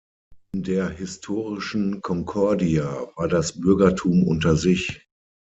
In der historischen "Concordia" war das Bürgertum unter sich.